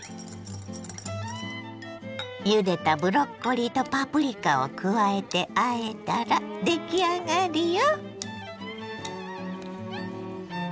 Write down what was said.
ゆでたブロッコリーとパプリカを加えてあえたら出来上がりよ。